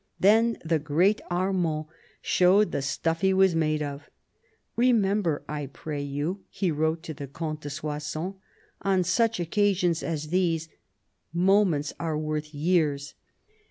Then "the great Armand" showed the stuff he was made of. " Remember, I pray you," he wrote to the Comte de Soissons, " on such occasions as these, moments are worth years."